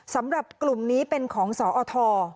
สำหรับกลุ่มนี้เป็นของสอท